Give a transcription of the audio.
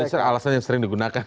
walaupun alasannya sering digunakan